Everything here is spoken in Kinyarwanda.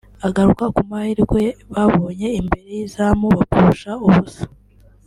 agaruka ku mahirwe babonye imbere y’izamu bapfusha ubusa